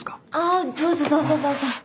あどうぞどうぞどうぞ。